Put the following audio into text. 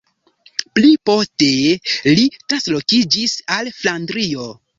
Pli poste li translokiĝis al Flandrio.